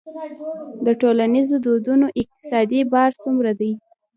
د ټولنیزو دودونو اقتصادي بار څومره دی؟